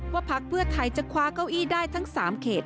พักเพื่อไทยจะคว้าเก้าอี้ได้ทั้ง๓เขต